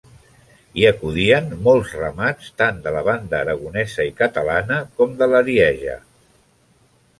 Hi acudien molts ramats tant de la banda aragonesa i catalana com de l'Arieja.